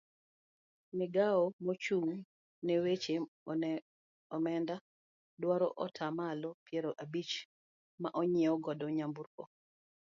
Migawo mochung' ne weche onenda dwaro atamalo piero abich ma onyiew godo nyamburko.